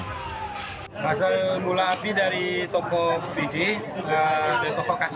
masa mula api dari toko vg dari toko kasop